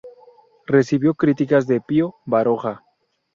Recibió críticas de Pío Baroja.